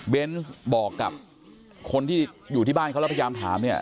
เบนส์บอกกับคนที่อยู่ที่บ้านเขาแล้วพยายามถามเนี่ย